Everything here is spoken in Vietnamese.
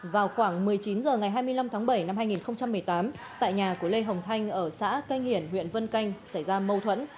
vào khoảng một mươi chín h ngày hai mươi năm tháng bảy năm hai nghìn một mươi tám tại nhà của lê hồng thanh ở xã canh hiển huyện vân canh xảy ra mâu thuẫn